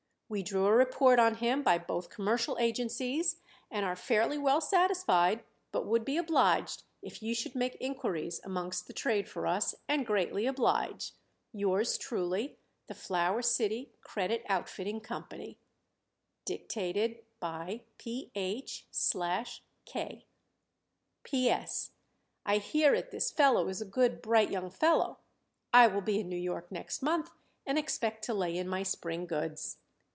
We drew a report on him by both commercial agencies and are fairly well satisfied, but would be obliged if you should make inquiries amongst the trade for us and greatly oblige Yours truly, THE FLOWER CITY CREDIT OUTFITTING CO. Dic. PH/K P. S. I hear it this fellow is a good bright young fellow. I will be in N. Y. next month and expect to lay in my spring goods.